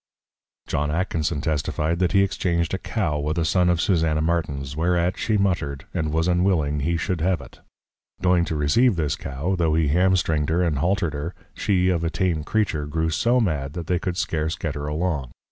John Atkinson testifi'd, That he exchanged a Cow with a Son of Susanna Martin's, whereat she muttered, and was unwilling he should have it. Going to receive this Cow, tho he Hamstring'd her, and Halter'd her, she, of a Tame Creature, grew so mad, that they could scarce get her along.